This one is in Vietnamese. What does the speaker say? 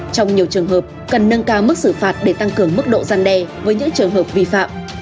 trong nhiều trường hợp cần nâng cao mức xử phạt để tăng cường mức độ gian đe với những trường hợp vi phạm